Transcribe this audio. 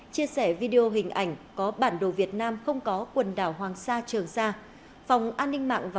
chia sẻ video hình ảnh có bản đồ việt nam không có quần đảo hoàng sa trường ra